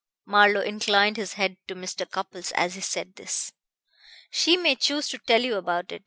Marlowe inclined his head to Mr. Cupples as he said this. "She may choose to tell you about it.